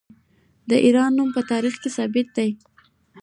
د ایران نوم په تاریخ کې ثبت دی.